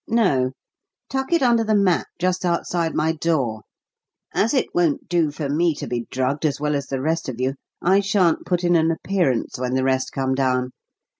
"No; tuck it under the mat just outside my door. As it won't do for me to be drugged as well as the rest of you. I shan't put in an appearance when the rest come down.